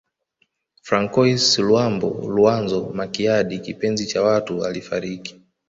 Francois Luambo Luanzo Makiadi kipenzi cha watu alifariki